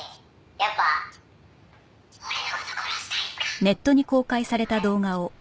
「やっぱ俺の事殺したいっすか？」